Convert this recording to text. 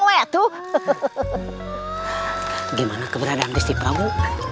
bagaimana keberadaanmu bersih prabu